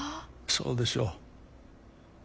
そうでしょう。